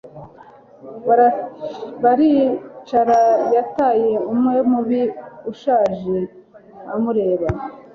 Baricara Yataye umwe mubi ushaje amureba